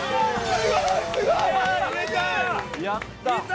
やった。